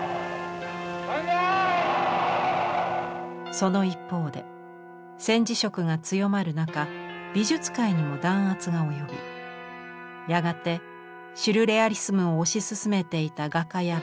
その一方で戦時色が強まる中美術界にも弾圧が及びやがてシュルレアリスムを推し進めていた画家や美術批評家が逮捕されます。